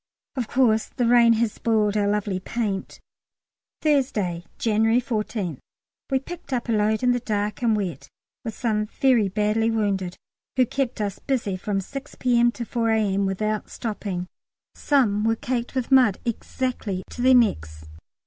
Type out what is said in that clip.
Of course the rain has spoilt our lovely paint! Thursday, January 14th. We picked up a load in the dark and wet, with some very badly wounded, who kept us busy from 6 P.M. to 4 A.M. without stopping. Some were caked with mud exactly to their necks!